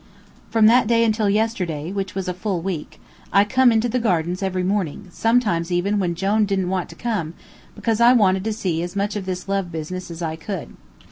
From that day until yesterday, which was a full week, I came into the gardens every morning, sometimes even when Jone didn't want to come, because I wanted to see as much of this love business as I could.